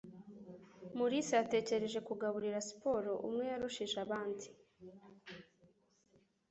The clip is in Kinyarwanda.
Mulisa yatekereje kugaburira siporo; umwe yarushije abandi.